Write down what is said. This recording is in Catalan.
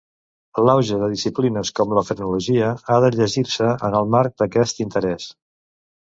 L'auge de disciplines com la frenologia ha de llegir-se en el marc d'aquest interès.